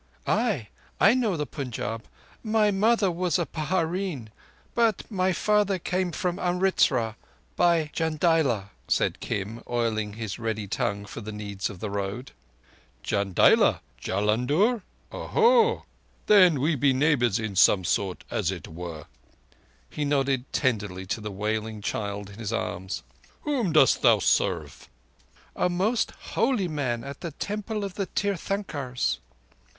"Ay, I know the Punjab. My mother was a pahareen, but my father came from Amritzar—by Jandiala," said Kim, oiling his ready tongue for the needs of the Road. "Jandiala—Jullundur? Oho! Then we be neighbours in some sort, as it were." He nodded tenderly to the wailing child in his arms. "Whom dost thou serve?" "A most holy man at the Temple of the Tirthankers."